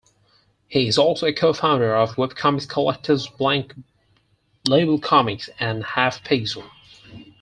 He is also a co-founder of webcomics collectives Blank Label Comics and Halfpixel.